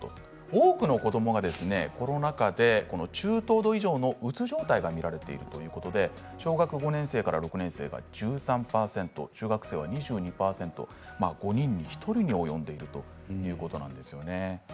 多くの子どもがコロナ禍で中等度以上のうつ状態が見られているということで小学５年生から６年生が１３％中学生が２２％５人に１人に及んでいるということなんです。